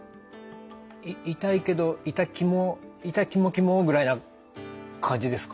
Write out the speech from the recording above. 痛いけど痛きも痛きもきもぐらいな感じですか？